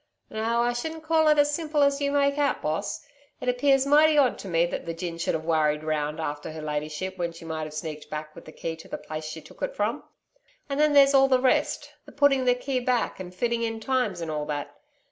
'Now, I shouldn't call it as simple as you make out, Boss. It appears mighty odd to me that the gin should have worried round after her ladyship when she might have sneaked back with the key to the place she took it from. And then there's all the rest the putting the key back and fitting in times and all that....